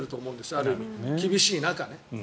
ある意味厳しい中ね。